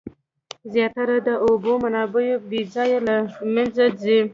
زیاتره د اوبو منابع بې ځایه له منځه ځي.